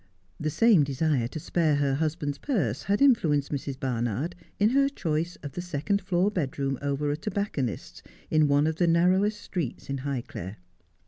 The same desire to spare her husband's purse had influenced Mrs. Barnard in her choice of the second floor bedroom over a tobacconist's, in one of the narrowest streets in Highclere.